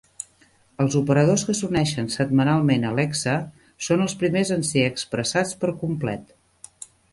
Els operadors que s"uneixen setmanalment a LexA són els primers en ser expressats per complet.